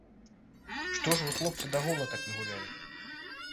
Што ж вы, хлопцы, да гола так не гулялі?